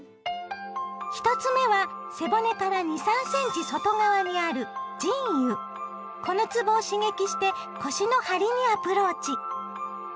１つ目は背骨から２３センチ外側にあるこのつぼを刺激して腰の張りにアプローチ。